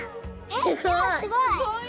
すごい。